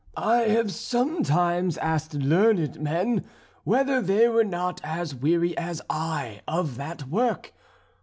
I have sometimes asked learned men whether they were not as weary as I of that work.